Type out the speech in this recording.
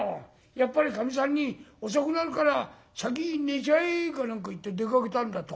やっぱりかみさんに『遅くなるから先に寝ちゃえ』か何か言って出かけたんだと。